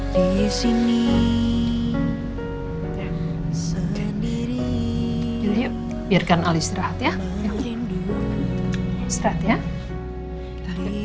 biarkan alis terang